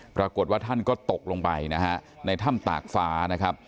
ปรากฏว่าท่านก็ตกลงไปนะฮะในถ้ำตากฟ้านะครับ